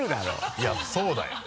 いやそうだよ。